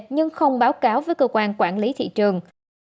nhưng không báo cáo với cơ quan quản lý thị trường